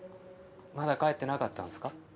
まだ帰ってなかったんすか？